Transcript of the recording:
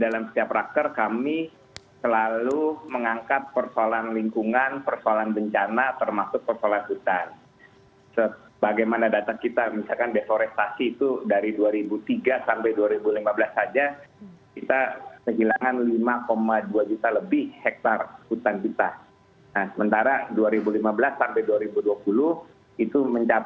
lama lama juga musnah itu